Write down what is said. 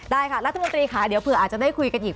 ได้ค่ะรัฐมนตรีค่ะเดี๋ยวเผื่ออาจจะได้คุยกันอีก